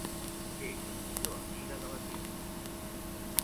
És la millor amiga de la Ting.